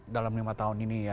dalam lima tahun ini ya